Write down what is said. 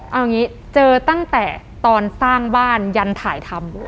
เอางี้เจอตั้งแต่ตอนสร้างบ้านยันถ่ายทำ